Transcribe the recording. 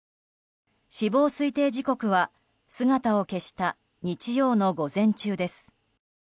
死亡推定時刻は姿を消した日曜の午前中です。